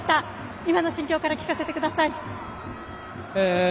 今の心境から聞かせてください。